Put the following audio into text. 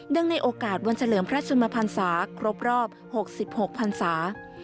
เนื่องในโอกาสวันเฉลิมพระชมพรรษาครบรอบ๖๖พรรษา